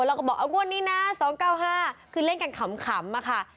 แล้วก็บอกเอ้าวันนี้น่ะสองเก้าห้าคือเล่นกันขำอ่ะค่ะ